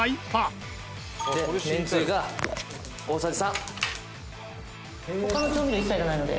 「めんつゆが大さじ３」「他の調味料一切いらないので」